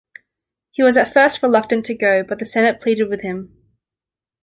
He was at first reluctant to go, but the Senate pleaded with him.